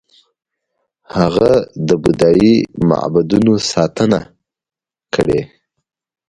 هغه د بودايي معبدونو ستاینه کړې